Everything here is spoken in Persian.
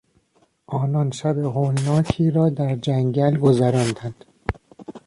آنان شب هولناکی را در جنگل گذراندند.